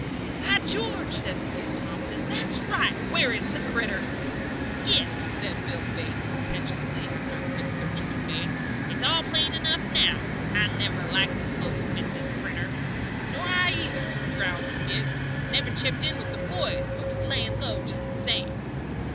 "By George!" said Skid Thomson, "that's right! Where is the critter?" "Skipped!" said Bill Bates, sententiously, after a quick search had been made. "It's all plain enough now. I never liked the close fisted critter." "Nor I, either!" growled Skid. "Never chipped in with the boys, but was laying low just the same."